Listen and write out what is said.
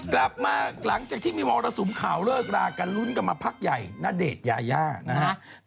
กลับมาหลังจากที่มีมอเตอร์สูมข่าวเลิกลากันลุ้นกลับมาพักใหญ่นาเดชยาย่านะฮะ